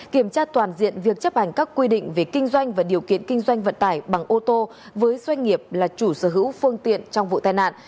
kiểm tra toàn diện việc chấp hành các quy định về kinh doanh và điều kiện kinh doanh vận tải bằng ô tô với doanh nghiệp là chủ sở hữu phương tiện trong vụ tai nạn